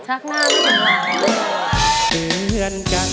ชักหน้าไม่ถึงหลัง